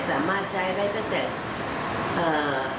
ในคำว่าเศรษฐกิจปรัญญาเศรษฐกิจของเพียงของพระองค์ท่านเนี่ย